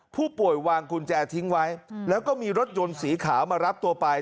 ผู้ป่วยวางกุญแจทิ้งไว้แล้วก็มีรถยนต์สีขาวมารับตัวไป